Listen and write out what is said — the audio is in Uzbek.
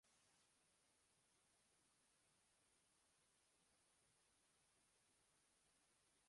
– Biror kitob yoki hikoya ustida ishlayotgan paytim tong saharda yozishga oʻtiraman.